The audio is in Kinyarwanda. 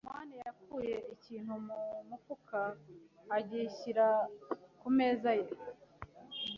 amani yakuye ikintu mu mufuka agishyira ku meza ye.